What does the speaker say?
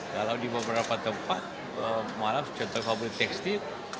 kalau di beberapa tempat malah contohnya fabrik tekstil